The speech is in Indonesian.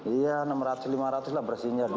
iya enam ratus lima ratus lah bersihnya dua minggu